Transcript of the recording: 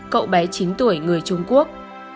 cậu bé chín tuổi người trung quốc